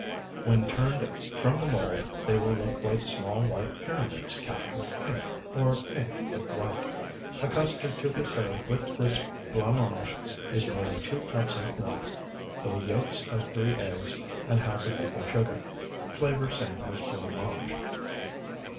When turned from the mold they will look like small, white pyramids capped with pink, or pink with white. A custard to be served with this blanc mange is made of two cups of milk, the yolks of three eggs, and half a cup of sugar. Flavor same as blanc mange.